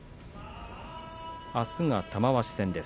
あすが玉鷲戦です。